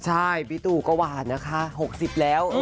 ใช่พี่ตูก็หวานนะคะ๖๐แล้ว